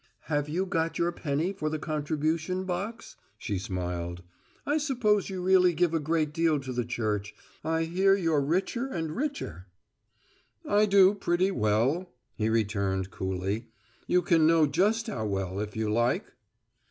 "Have you got your penny for the contribution box?" she smiled. "I suppose you really give a great deal to the church. I hear you're richer and richer." "I do pretty well," he returned, coolly. "You can know just how well, if you like."